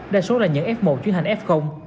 đa số là những f một chuyển hành f